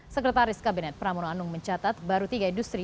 sekretaris kabinet pramono anung mencatat baru tiga industri